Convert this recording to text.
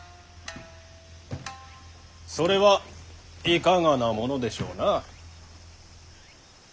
それはいかがなものでしょうな。